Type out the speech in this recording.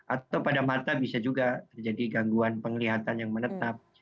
atau pada mata bisa juga terjadi gangguan penglihatan yang menetap